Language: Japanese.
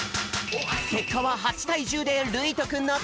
けっかは８たい１０でるいとくんのかち！